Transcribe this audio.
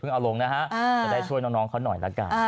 ขึ้นอาลงนะฮะจะได้ช่วยน้องเขาน้อยนะครับ